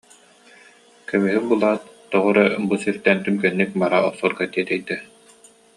Кө- мүһү булаат, тоҕо эрэ бу сиртэн түргэнник бара охсорго тиэтэйдэ